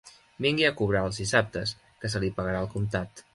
Vingui a cobrar els dissabtes, que se li pagarà al comptat